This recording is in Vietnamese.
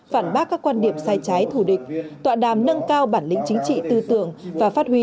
phản bác các quan điểm sai trái thù địch tọa đàm nâng cao bản lĩnh chính trị tư tưởng và phát huy